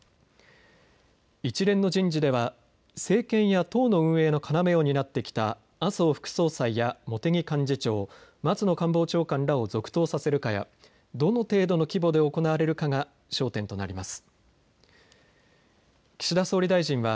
一連の人事では政権や党の運営の要を担ってきた麻生副総裁や茂木幹事長、松野官房長官らを続投させるかや、どの程度の規模で行われるかが焦点となります。